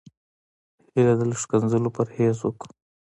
هيله ده له ښکنځلو پرهېز وکړو.